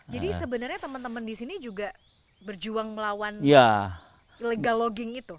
jadi sebenarnya teman teman di sini juga berjuang melawan illegal logging itu